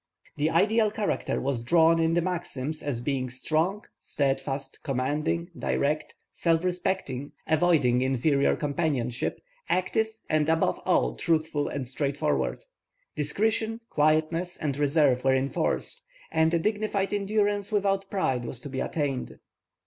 The ideal character was drawn in the maxims as being strong, steadfast, commanding, direct, self respecting, avoiding inferior companionships, active, and above all truthful and straightforward. Discretion, quietness, and reserve were enforced, and a dignified endurance without pride was to be attained.